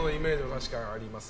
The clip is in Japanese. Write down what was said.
確かにあります。